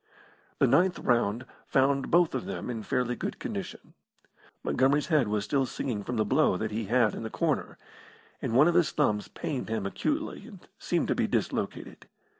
The ninth round found both of them in fairly good condition. Montgomery's head was still singing from the blow that he had in the corner, and one of his thumbs pained him acutely and seemed to be dislocated.